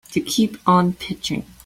To keep on pitching.